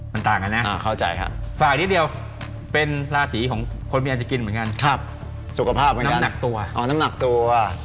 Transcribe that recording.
มันต่างกันนะฝากนิดเดียวเป็นราศีของคนมีอาจกินเหมือนกันน้ำหนักตัว